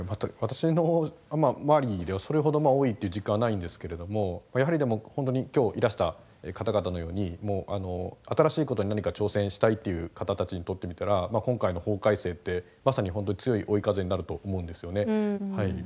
私の周りではそれほど多いっていう実感はないんですけれどもやはりでも本当に今日いらした方々のように新しいことに何か挑戦したいという方たちにとってみたら今回の法改正ってまさに本当に強い追い風になると思うんですよね。